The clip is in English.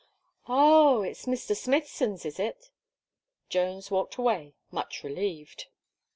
"Oh! it's Mr. Smithson's, is it?" Jones walked away much relieved.